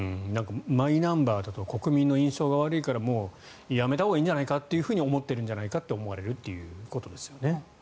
マイナンバーだと国民の印象が悪いからもうやめたほうがいいんじゃないかと思ってるんじゃないかと思われるということですね。